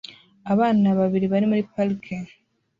Abantu babiri bari muri parike